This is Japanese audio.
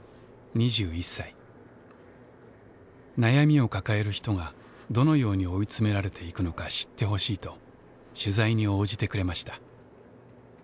悩みを抱える人がどのように追い詰められていくのか知ってほしいと取材に応じてくれました。